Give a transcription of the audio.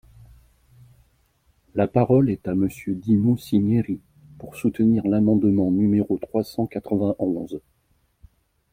La parole est à Monsieur Dino Cinieri, pour soutenir l’amendement numéro trois cent quatre-vingt-onze.